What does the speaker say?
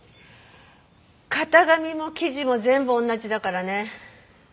型紙も生地も全部同じだからね。